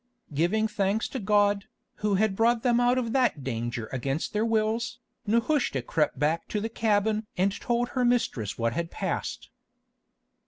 Giving thanks to God, Who had brought them out of that danger against their wills, Nehushta crept back to the cabin and told her mistress what had passed.